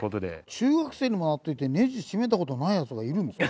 中学生にもなっておいてネジ締めた事ないヤツがいるんですか？